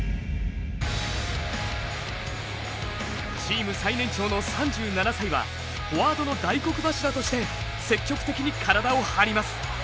チーム最年長の３７歳はフォワードの大黒柱として積極的に体を張ります。